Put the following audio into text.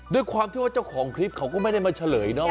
ด้วยความที่ว่าเจ้าของคลิปเขาก็ไม่ได้มาเฉลยเนาะ